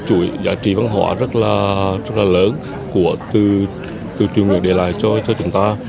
chuỗi giá trị văn hóa rất là lớn của từ trường nguyên để lại cho chúng ta